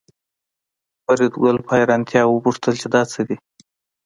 فریدګل په حیرانتیا وپوښتل چې دا څه دي